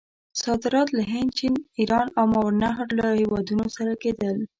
صادرات له هند، چین، ایران او ماورأ النهر له هیوادونو سره کېدل.